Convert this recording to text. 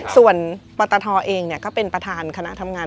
ส่วนปตทเองก็เป็นประธานคณะทำงาน